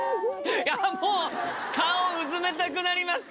いやもう顔をうずめたくなりますか？